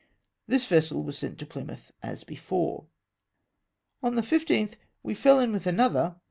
This vessel was sent to Plymouth as before. On the 15th, we fell in with another.